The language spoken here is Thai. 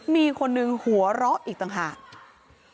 มีคนหนึ่งหัวเราะอีกต่างหาก